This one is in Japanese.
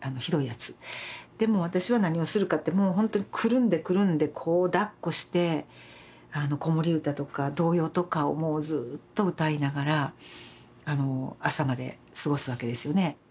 でもう私は何をするかってもうほんとにくるんでくるんでこうだっこして子守歌とか童謡とかをもうずっと歌いながら朝まで過ごすわけですよね。